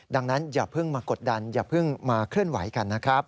ดังนั้นอย่าเพิ่งมากดดันอย่าเพิ่งมาเคลื่อนไหวกันนะครับ